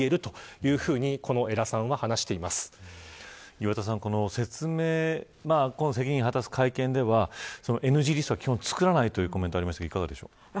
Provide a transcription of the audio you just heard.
岩田さん、この説明責任を果たす会見ではＮＧリストは基本作らないという意見が出ましたがいかがでしょうか。